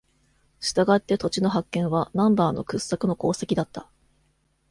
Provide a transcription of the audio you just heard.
したがって、土地の発見は No. の掘削の功績だった。